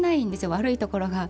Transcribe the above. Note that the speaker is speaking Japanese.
悪いところが。